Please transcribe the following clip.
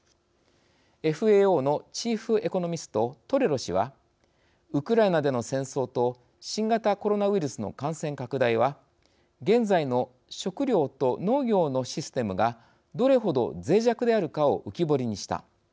ＦＡＯのチーフエコノミストトレロ氏は「ウクライナでの戦争と新型コロナウイルスの感染拡大は現在の食料と農業のシステムがどれほどぜい弱であるかを浮き彫りにした。